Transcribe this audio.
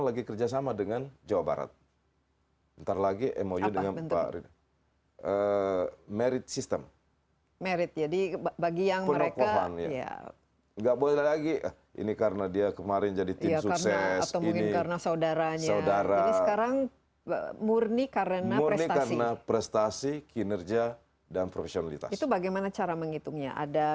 lebih dari satu triliun ya